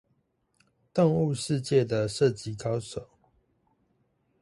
動物世界的射擊高手